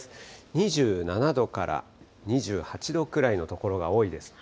２７度から２８度くらいの所が多いです。